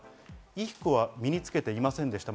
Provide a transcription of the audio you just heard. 衣服は身につけていませんでした。